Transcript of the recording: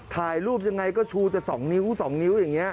ถ่ายรูปยังไงก็ชูจะ๒นิ้ว๒นิ้วอย่างนี้